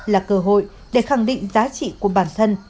là cơ hội để khẳng định giá trị của bản thân